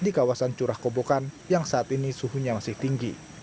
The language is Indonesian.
di kawasan curah kobokan yang saat ini suhunya masih tinggi